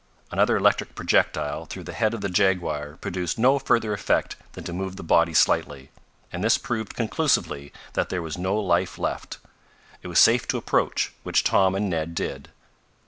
Another electric projectile through the head of the jaguar produced no further effect than to move the body slightly, and this proved conclusively that there was no life left. It was safe to approach, which Tom and Ned did.